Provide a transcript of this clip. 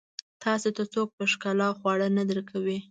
تاسو ته څوک په ښکلا خواړه نه درکوي.